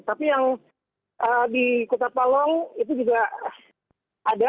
tapi yang di kota palong itu juga ada